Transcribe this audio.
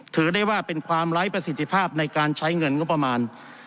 ถือได้ว่าเป็นความไร้ประสิทธิภาพในการใช้เงินงบประมาณ